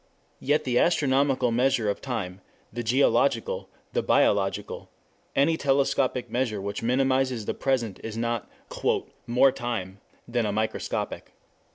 Yet the astronomical measure of time, the geological, the biological, any telescopic measure which minimizes the present is not "more true" than a microscopic.